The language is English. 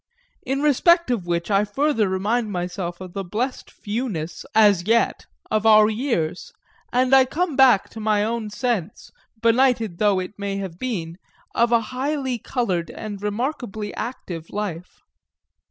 In respect of which I further remind myself of the blest fewness, as yet, of our years; and I come back to my own sense, benighted though it may have been, of a highly coloured and remarkably active life.